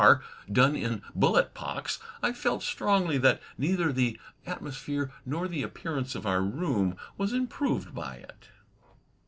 R. done in bullet pocks, I felt strongly that neither the atmosphere nor the appearance of our room was improved by it.